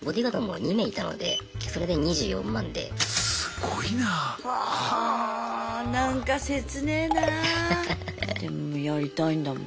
でもやりたいんだもんね。